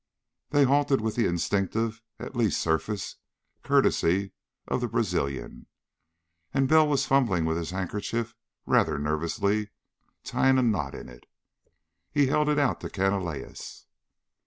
They halted with the instinctive, at least surface, courtesy of the Brazilian. And Bell was fumbling with his handkerchief, rather nervously tying a knot in it. He held it out to Canalejas.